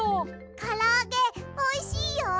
からあげおいしいよ。